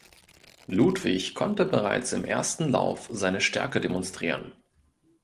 Ludwig konnte bereits im ersten Lauf seine Stärke demonstrieren.